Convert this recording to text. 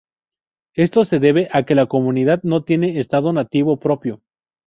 Esto se debe a que la comunidad no tiene estado nativo propio.